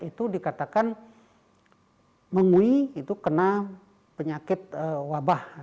itu dikatakan mengui itu kena penyakit wabah